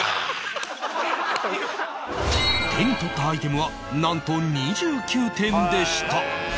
手に取ったアイテムはなんと２９点でした